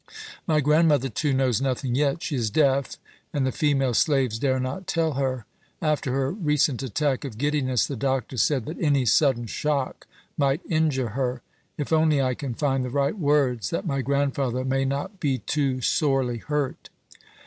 My grandmother, too, knows nothing yet. She is deaf, and the female slaves dare not tell her. After her recent attack of giddiness, the doctor said that any sudden shock might injure her. If only I can find the right words, that my grandfather may not be too sorely hurt!"